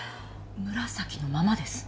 紫のままですね。